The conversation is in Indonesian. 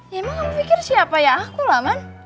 ya emang kamu pikir siapa ya aku lah man